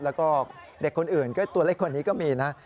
แล้วก็เด็กคนอื่นก็ตัวเล็กกว่านี้ก็มีนะ